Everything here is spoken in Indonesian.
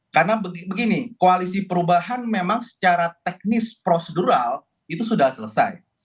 karena begini koalisi perubahan memang secara teknis prosedural itu sudah selesai